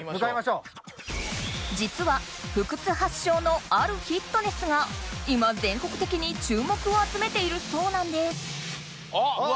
実は福津発祥のあるフィットネスが今全国的に注目を集めているそうなんですあっ！